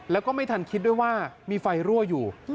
แล้วก็ไม่ทันคิดด้วยว่ามีไฟรั่วอยู่